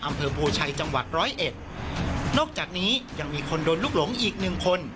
อำเภอโพชัยจังหวัดร้อยเอ็ดนอกจากนี้ยังมีคนโดนลูกหลงอีกหนึ่งคน